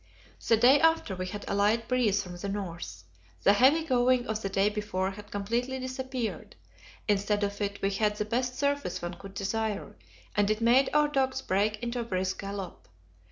The day after we had a light breeze from the north. The heavy going of the day before had completely disappeared; instead of it we had the best surface one could desire, and it made our dogs break into a brisk gallop.